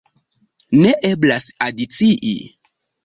Ne eblas adicii.